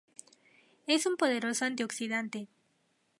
Es un poderoso antioxidante.